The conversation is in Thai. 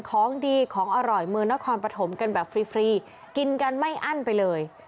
ของดีของอร่อยเมืองนครปฐมกันแบบฟรีกินกันไม่อั้นไปเลย